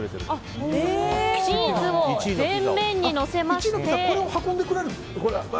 チーズを全面にのせまして。